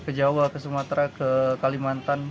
ke jawa ke sumatera ke kalimantan